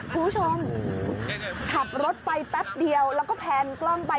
คุณผู้ชมขับรถไปแป๊บเดียวแล้วก็แพนกล้องไป